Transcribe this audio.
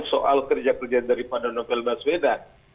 soal kerja kerja daripada novel baswedan